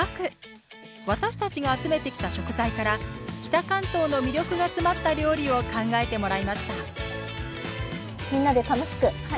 私たちが集めてきた食材から北関東の魅力が詰まった料理を考えてもらいましたみんなで楽しく作りましょう。